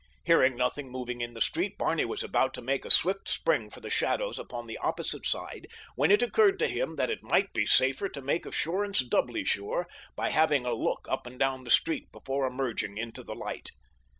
Hearing nothing moving in the street, Barney was about to make a swift spring for the shadows upon the opposite side when it occurred to him that it might be safer to make assurance doubly sure by having a look up and down the street before emerging into the light.